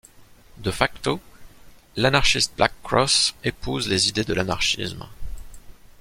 De facto, l'Anarchist Black Cross épousent les idées de l'anarchisme.